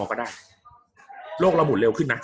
กับการสตรีมเมอร์หรือการทำอะไรอย่างเงี้ย